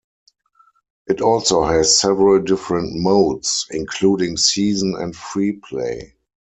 It also has several different modes including season and free play.